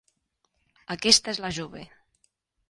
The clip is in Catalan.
Aquesta és la jove.